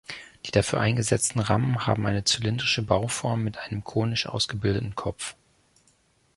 Die dafür eingesetzten Rammen haben eine zylindrische Bauform mit einem konisch ausgebildeten Kopf.